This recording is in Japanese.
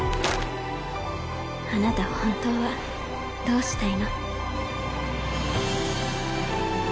あなた本当はどうしたいの？